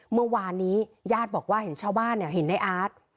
เมื่อวานนี้ญาติบอกว่าเห็นชาวบ้านเห็นในอาร์ต